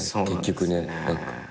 結局ね。